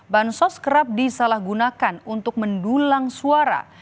bansos kerap disalahgunakan untuk mendulang suara